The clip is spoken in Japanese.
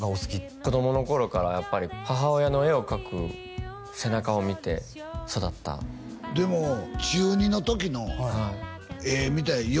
子供の頃からやっぱり母親の絵を描く背中を見て育ったでも中２の時の絵見たよ